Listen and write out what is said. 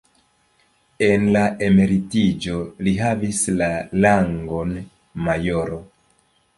En la emeritiĝo li havis la rangon majoro.